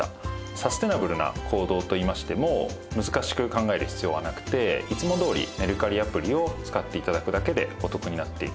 サステナブルな行動といいましても難しく考える必要はなくていつもどおりメルカリアプリを使って頂くだけでお得になっていく。